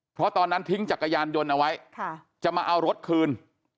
เพราะตอนนั้นทิ้งจักรยานยนต์เอาไว้จะมาเอารถคืน